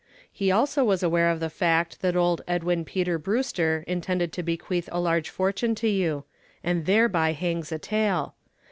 He also was aware of the fact that old Edwin Peter Brewster intended to bequeath a large fortune to you and thereby hangs a tale.